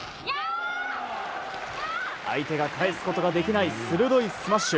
相手が返すことができない鋭いスマッシュ。